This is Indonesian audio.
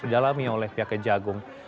didalami oleh pihak kejagung